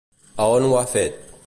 A on ho ha fet?